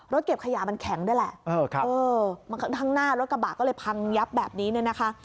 เก็บขยะมันแข็งด้วยแหละข้างหน้ารถกระบะก็เลยพังยับแบบนี้เนี่ยนะคะ